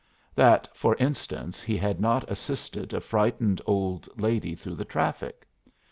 That, for instance, he had not assisted a frightened old lady through the traffic.